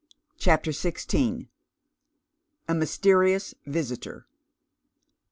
CHAPTER XYL A MYSTERIOUS VISITOR.